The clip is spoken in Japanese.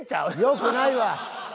よくないわ！